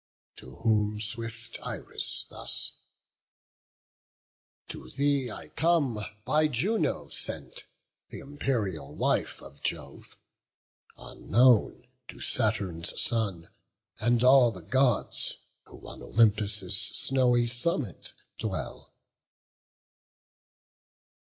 To whom swift Iris thus: "To thee I come By Juno sent, th' imperial wife of Jove; Unknown to Saturn's son, and all the Gods Who on Olympus' snowy summit dwell."